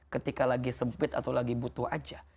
ketika lagi sempit atau lagi butuh aja